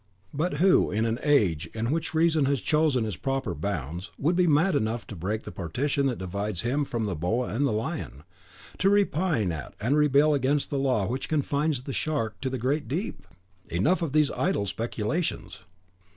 "But who, in an age in which the reason has chosen its proper bounds, would be mad enough to break the partition that divides him from the boa and the lion, to repine at and rebel against the law which confines the shark to the great deep? Enough of these idle speculations."